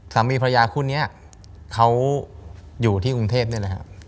สามีพระยาคู่นี้เขาอยู่ที่กรุงเทพนี่แหละครับ